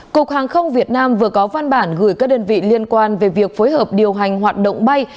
cục hàng không việt nam vừa có văn bản gửi các đơn vị liên quan về việc phối hợp điều hành hoạt động bay